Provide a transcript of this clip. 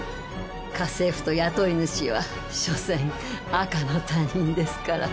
家政婦と雇い主は所詮赤の他人ですから。